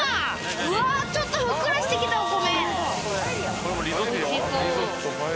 うわちょっとふっくらしてきたお米。